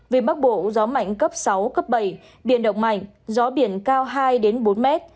vì bắc bộ gió mạnh cấp sáu cấp bảy biển động mạnh gió biển cao hai bốn m